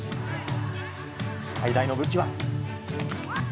最大の武器は。